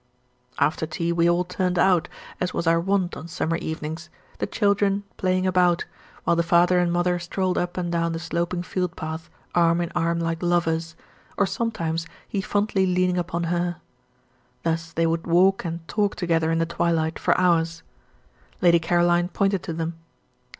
After tea we all turned out, as was our wont on summer evenings; the children playing about; while the father and mother strolled up and down the sloping field path, arm in arm like lovers, or sometimes he fondly leaning upon her. Thus they would walk and talk together in the twilight, for hours. Lady Caroline pointed to them.